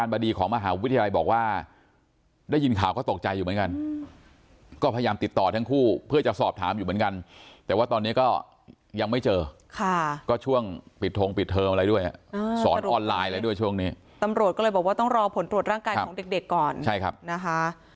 บอกว่าได้ยินข่าวก็ตกใจอยู่เหมือนกันก็พยายามติดต่อทั้งคู่เพื่อจะสอบถามอยู่เหมือนกันแต่ว่าตอนนี้ก็ยังไม่เจอค่ะก็ช่วงปิดทรงปิดเทอมอะไรด้วยอ่าสอนออนไลน์อะไรด้วยช่วงนี้ตำรวจก็เลยบอกว่าต้องรอผลตรวจร่างกายของเด็กเด็กก่อนใช่ครับนะคะ